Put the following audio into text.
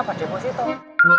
itu mah celengan kang